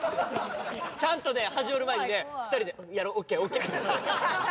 ちゃんとね始まる前にね２人で「やろう」「オッケーオッケー」。